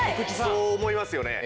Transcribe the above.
そう思いますよね。